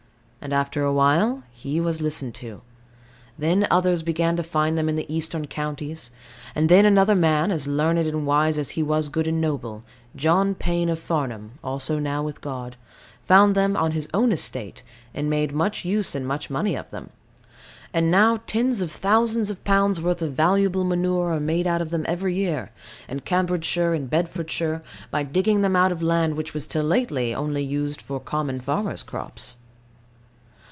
And after a while he was listened to. Then others began to find them in the Eastern counties; and then another man, as learned and wise as he was good and noble John Paine of Farnham, also now with God found them on his own estate, and made much use and much money of them: and now tens of thousands of pounds' worth of valuable manure are made out of them every year, in Cambridgeshire and Bedfordshire, by digging them out of land which was till lately only used for common farmers' crops.